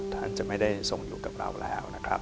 ท่านจะไม่ได้ทรงอยู่กับเราแล้ว